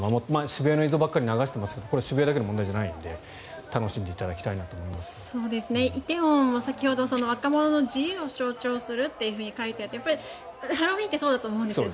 渋谷の映像ばかり流していますが渋谷だけの問題じゃないので梨泰院は先ほど若者の自由を象徴するって書いてあってハロウィーンってそうだと思うんですよ。